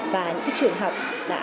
và những trường học